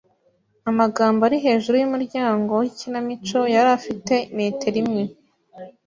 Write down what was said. Amagambo ari hejuru yumuryango wikinamico yari afite metero imwe.